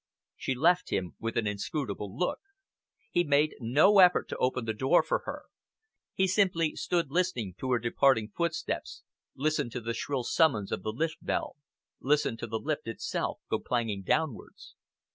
She left him, with an inscrutable look. He made no effort to open the door for her. He simply stood listening to her departing footsteps, listened to the shrill summons of the lift bell, listened to the lift itself go clanging downwards.